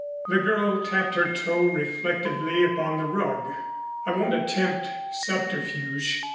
The girl tapped her toe reflectively upon the rug. "I won't attempt subterfuge.